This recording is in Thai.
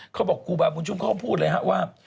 เขาบอกครูบาบุญชุมเข้าพูดเลยครับว่า